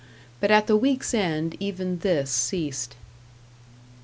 But at the week's end even this ceased.